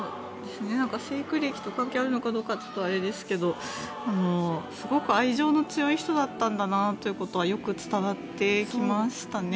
成育歴と関係あるのかどうか分かりませんがすごく愛情の強い人だったんだなということがよく伝わってきましたね。